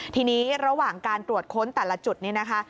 ทีนี้ระหว่างการตรวจค้นแต่ละจุดนี้นะคะ